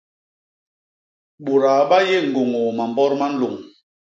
Bôdaa ba yé ñgôñôô mambot ma nlôñ.